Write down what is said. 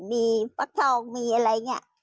มีฟักทองมีอะไรเงี้ย